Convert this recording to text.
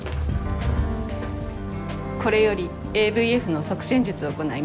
これよりＡＶＦの塞栓術を行います。